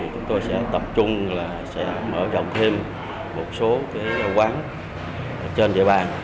chúng tôi sẽ tập trung là sẽ mở rộng thêm một số quán trên địa bàn